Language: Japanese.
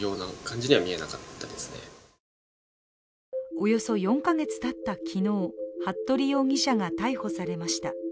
およそ４か月たった昨日、服部容疑者が逮捕されました。